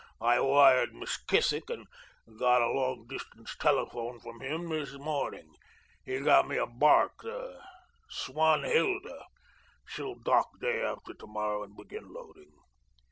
I wired McKissick and got a long distance telephone from him this morning. He got me a barque, the 'Swanhilda.' She'll dock day after to morrow, and begin loading."